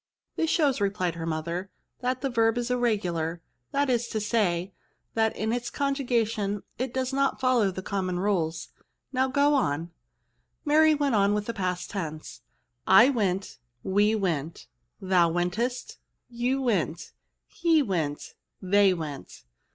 " This shows," repUed her mother, " that the verb is irregular ; that is to say, that in its conjugation it does not follow the com* mon rules. Now go on." Mary went on with the past tense. " I went. We went. Thou wentest. You went He went. They went.